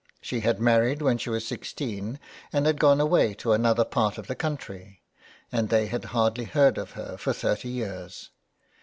She had married when she was sixteen, and had gone away to another part of the country, and they had hardly heard of her for thirty years.